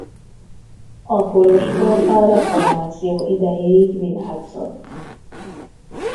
A kolostor a reformáció idejéig virágzott.